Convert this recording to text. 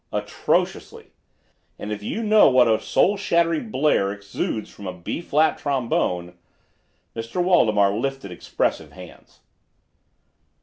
"Atrociously. And if you know what a soul shattering blare exudes from a B flat trombone—" Mr. Waldemar lifted expressive hands.